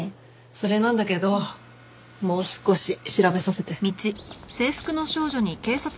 それなんだけどもう少し調べさせて。